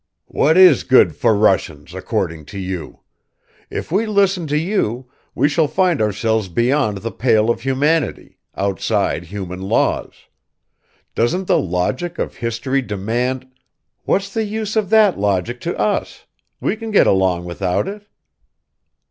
"What is good for Russians according to you? If we listen to you, we shall find ourselves beyond the pale of humanity, outside human laws. Doesn't the logic of history demand ..." "What's the use of that logic to us? We can get along without it."